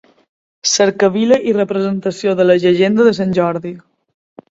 Cercavila i representació de la llegenda de Sant Jordi.